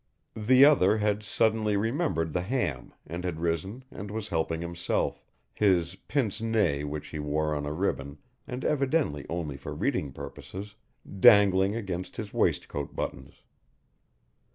The other had suddenly remembered the ham and had risen and was helping himself, his pince nez which he wore on a ribbon and evidently only for reading purposes, dangling against his waistcoat buttons.